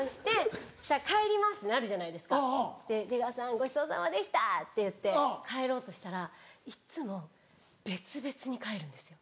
ごちそうさまでした」って言って帰ろうとしたらいっつも別々に帰るんですよ。